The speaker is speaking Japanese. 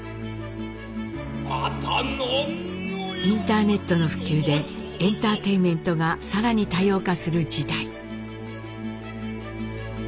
インターネットの普及でエンターテインメントが更に多様化する時代。